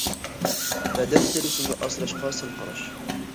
بەدەن تېرىسىنى ئاسراشقا سەل قاراش.